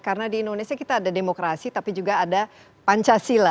karena di indonesia kita ada demokrasi tapi juga ada pancasila